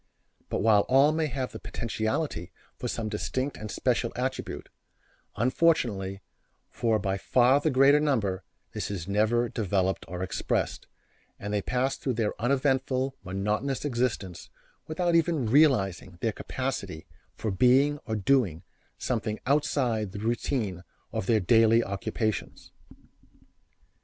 But while all may have the potentiality for some distinct and special attribute, unfortunately for by far the greater number this is never developed or expressed, and they pass through their uneventful, monotonous existence, without even realizing their capacity for being or doing something outside the routine of their daily occupations.